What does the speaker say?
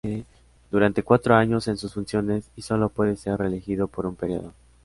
Dura cuatro años en sus funciones, y sólo puede ser reelegido por un período.